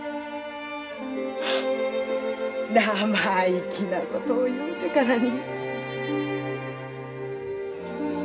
生意気なことを言うてからに。